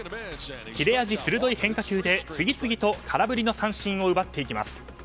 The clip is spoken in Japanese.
切れ味鋭い変化球で、次々と空振りの三振を奪っていきます。